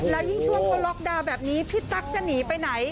แล้วยิ่งช่วงเขาล็อกดาวน์แบบนี้พี่ตั๊กจะหนีไปไหน